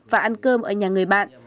và ăn cơm ở nhà người bạn